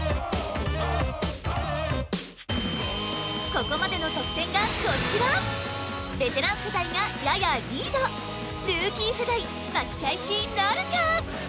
ここまでの得点がこちらベテラン世代がややリードルーキー世代巻き返しなるか？